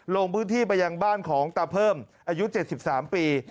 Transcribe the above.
ลงพื้นที่ไปยังบ้านของตาเพิ่มอายุ๗๓ปี